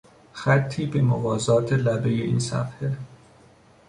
خطی به موازات لبهی این صفحه